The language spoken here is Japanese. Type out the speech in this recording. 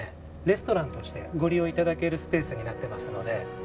レストランとしてご利用頂けるスペースになってますので。